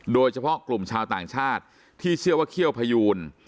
โดยเฉพาะกลุ่มชาวต่างชาติที่เชื่อว่าเขี้ยวพยูน